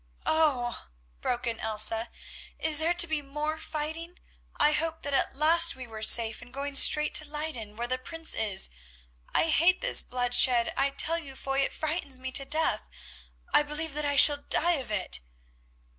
"Oh!" broke in Elsa, "is there to be more fighting? I hoped that at last we were safe, and going straight to Leyden, where the Prince is. I hate this bloodshed; I tell you, Foy, it frightens me to death; I believe that I shall die of it."